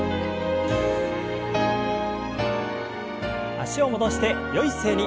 脚を戻してよい姿勢に。